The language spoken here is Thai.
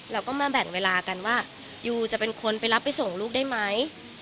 เราก็มาแบ่งเวลากันว่ายูจะเป็นคนไปรับไปส่งลูกได้ไหม